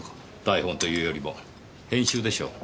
台本というよりも編集でしょう。